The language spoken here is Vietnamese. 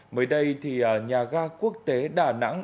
mới đây thì nhà ga quốc tế đà nẵng